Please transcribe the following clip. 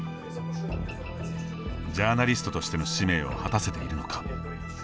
ジャーナリストとしての使命を果たせているのか。